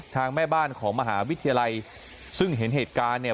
แม่บ้านของมหาวิทยาลัยซึ่งเห็นเหตุการณ์เนี่ย